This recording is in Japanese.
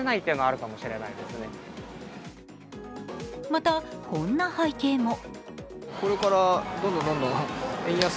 またこんな背景も。